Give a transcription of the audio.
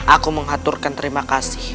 aku mengaturkan terima kasih